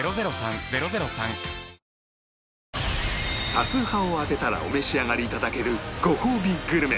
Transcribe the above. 多数派を当てたらお召し上がり頂けるごほうびグルメ